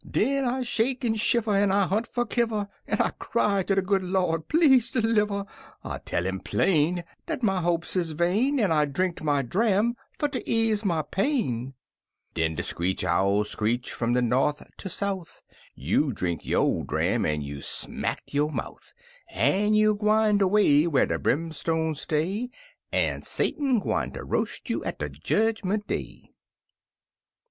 Den I shake en shiver, En I hunt fer kiver, En I cry ter de good Lawd, "Please deliver!" I tell 'im plain Dat my hopes is vain, En I drinked my dram fer ter ease my pain! Den de screech owl screech f'um de north ter south "You drinked yo' dram, en you smacked yo' mouth! En you gwine de way Whar' de brimstone stay, En Satan gwine ter roas' you at de Jedgmint Day!"